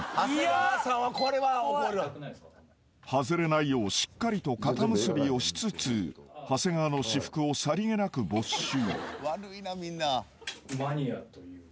［外れないようしっかりと固結びをしつつ長谷川の私服をさりげなく没収］